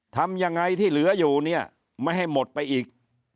ทำยังไงที่เหลืออยู่เนี่ยไม่ให้หมดไปอีก